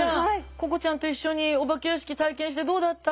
ここちゃんと一緒にお化け屋敷体験してどうだった？